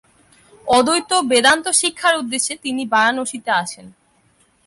অদ্বৈত বেদান্ত শিক্ষার উদ্দেশ্যে তিনি বারাণসীতে আসেন।